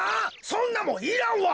そんなもんいらんわ！